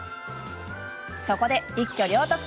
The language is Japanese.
そこで、一挙両得。